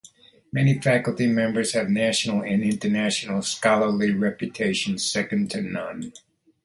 Many faculty members have national and international scholarly reputations second to none.